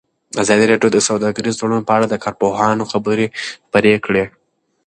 ازادي راډیو د سوداګریز تړونونه په اړه د کارپوهانو خبرې خپرې کړي.